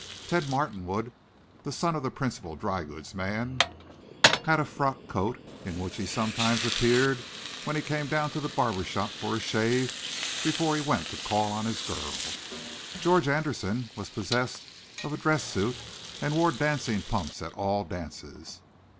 Ted Martinwood, the son of the principal drygoods man, had a frock coat in which he sometimes appeared when he came down to the barber shop for a shave before he went to call on his girl. George Anderson was possessed of a dress suit, and wore dancing pumps at all dances.